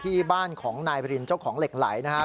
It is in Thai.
ที่บ้านของนายบรินเจ้าของเหล็กไหลนะครับ